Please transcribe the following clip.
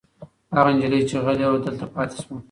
هغه نجلۍ چې غلې وه دلته پاتې شوه.